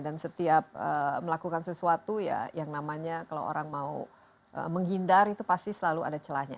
dan setiap melakukan sesuatu ya yang namanya kalau orang mau menghindar itu pasti selalu ada celahnya